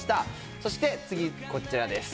そして、次こちらです。